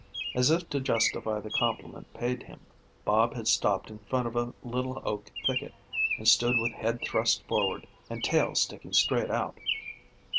As if to justify the compliment paid him, Bob had stopped in front of a little oak thicket, and stood with head thrust forward and tail sticking straight out.